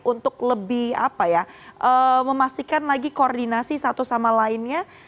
untuk lebih memastikan lagi koordinasi satu sama lainnya